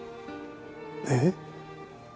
えっ？